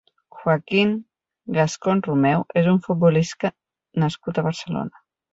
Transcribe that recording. Joaquín Gascón Romeu és un futbolista nascut a Barcelona.